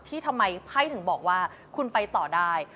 ทำไมไพ่ถึงบอกว่าคุณไปต่อได้